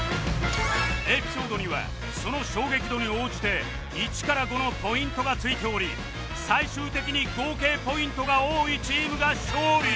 エピソードにはその衝撃度に応じて１から５のポイントがついており最終的に合計ポイントが多いチームが勝利